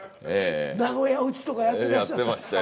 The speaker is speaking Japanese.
名古屋撃ちとかやってらっしゃった？